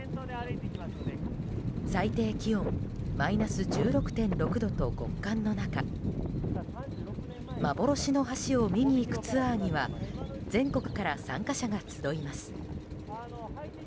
最低気温マイナス１６．６度と極寒の中幻の橋を見に行くツアーには全国から参加者が集います。